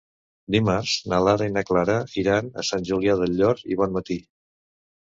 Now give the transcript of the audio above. Dimarts na Lara i na Clara iran a Sant Julià del Llor i Bonmatí.